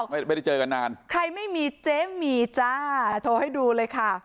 ไม่ได้เจอกันนานใครไม่มีเจ๊หมีจ้าโทรให้ดูเลยค่ะ